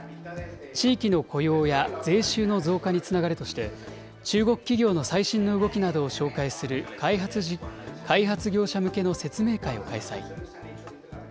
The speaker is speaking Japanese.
地域の雇用や税収の増加につながるとして、中国企業の最新の動きなどを紹介する開発業者向けの説明会を開催。